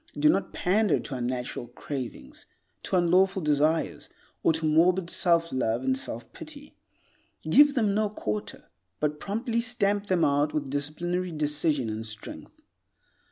Do not pander to unnatural cravings, to unlawful desires, or to morbid self love and self pity. Give them no quarter, but promptly stamp them out with disciplinary decision and strength.